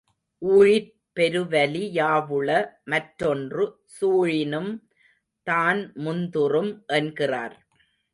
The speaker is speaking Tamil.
ஊழிற் பெருவலி யாவுள மற்றொன்று சூழினும் தான்முந் துறும் என்கிறார்.